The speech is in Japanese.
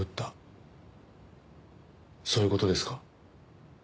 そういう事ですか？